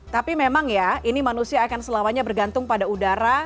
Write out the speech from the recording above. tapi memang ya ini manusia akan selamanya bergantung pada udara